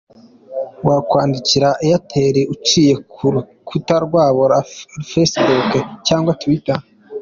Wakwandikira Airtel uciye ku rukuta rwabo ra facebook cyangwa twitter.